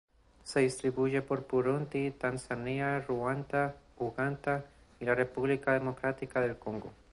Se distribuye por Burundi, Tanzania, Ruanda, Uganda y la República Democrática del Congo.